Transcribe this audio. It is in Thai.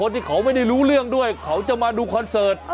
ที่เขาไม่ได้รู้เรื่องด้วยเขาจะมาดูคอนเสิร์ต